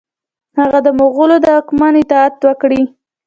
هغه د مغولو د واکمن اطاعت وکړي.